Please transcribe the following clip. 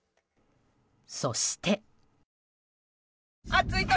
そして。